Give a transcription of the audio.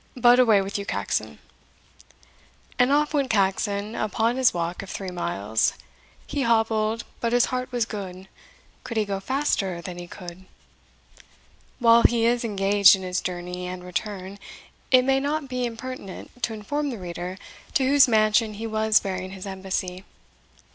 But away with you, Caxon!" And off went Caxon upon his walk of three miles He hobbled but his heart was good! Could he go faster than he could? While he is engaged in his journey and return, it may not be impertinent to inform the reader to whose mansion he was bearing his embassy.